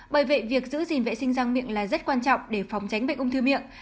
bởi vậy việc giữ gìn vệ sinh răng miệng là rất quan trọng để phòng tránh bệnh ung thư miệng